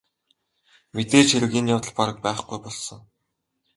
Мэдээж хэрэг энэ явдал бараг байхгүй болсон.